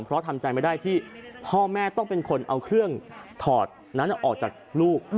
เพราะทำใจไม่ได้ที่พ่อแม่ต้องเป็นคนเอาเครื่องถอดนั้นออกจากลูก